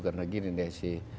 karena gini deh sih